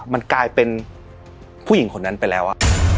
มันกลายเป็นผู้หญิงคนนั้นไปแล้ว